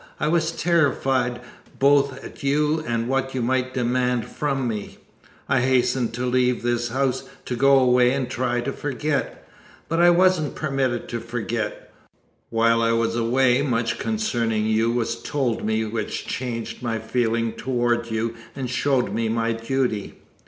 I was terrified both at you and what you might demand from me. I hastened to leave this house, to go away and try to forget. But I wasn't permitted to forget. While I was away much concerning you was told me which changed my feeling toward you and showed me my duty.